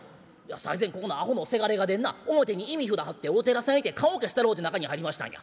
最前ここのアホのせがれがでんな表に忌み札貼ってお寺さん行って棺桶背たろうて中に入りましたんや。